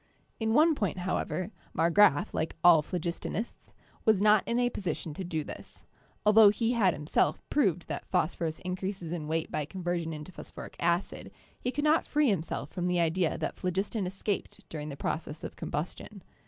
In one point, however, Marggraf, like all phlogistonists, was not in a position to do this; altho he had himself proved that phosphorus increases in weight by conversion into phosphoric acid, he could not free him self from the idea that phlogiston escaped during this process of combustion.